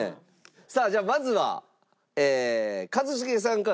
さあじゃあまずは一茂さんからいくんかな？